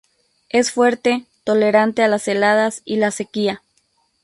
Es fuerte, tolerante a las heladas y la sequía.